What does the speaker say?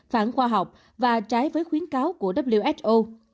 phản khoa học và trái với khuyến cáo của who